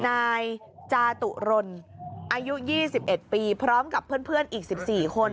นายจาตุรนอายุยี่สิบเอ็ดปีพร้อมกับเพื่อนเพื่อนอีกสิบสี่คน